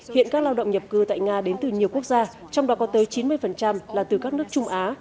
hiện các lao động nhập cư tại nga đến từ nhiều quốc gia trong đó có tới chín mươi là từ các nước trung á